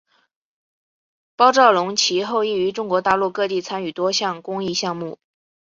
包兆龙其后亦于中国大陆各地参与多项公益项目。